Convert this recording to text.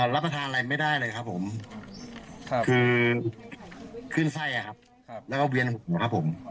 รับประทานอะไรไม่ได้เลยครับผมคือขึ้นไส้ครับแล้วก็เวียนหัวผม